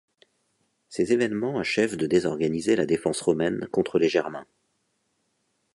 Ces évènements achèvent de désorganiser la défense romaine contre les Germains.